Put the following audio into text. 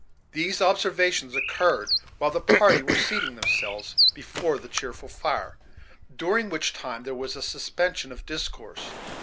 These observations occurred while the party were seating themselves before the cheerful fire, during which time there was a suspension of discourse.